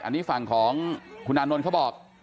อันนี้ฝั่งของคุณอานนท์เขาบอก